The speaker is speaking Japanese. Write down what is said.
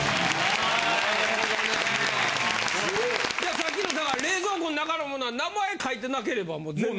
さっきのさ冷蔵庫の中の物は名前書いてなければもう全部。